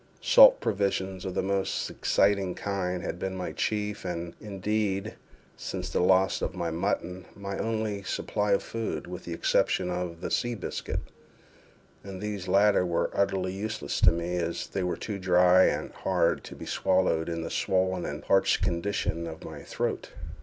Salt provisions of the most exciting kind had been my chief, and, indeed, since the loss of the mutton, my only supply of food, with the exception of the sea biscuit; and these latter were utterly useless to me, as they were too dry and hard to be swallowed in the swollen and parched condition of my throat.